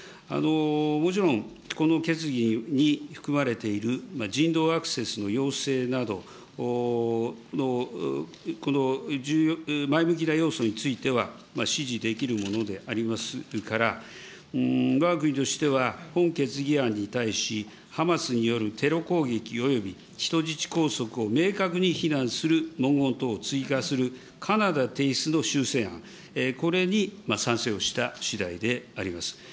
もちろんこの決議に含まれている人道アクセスの要請などの、この前向きの要素については支持できるものでありますから、わが国としては本決議案に対し、ハマスによるテロ攻撃および人質拘束を明確に非難する文言等を追加するカナダ提出の修正案、これに賛成をしたしだいであります。